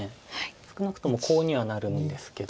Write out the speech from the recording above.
少なくともコウにはなるんですけど。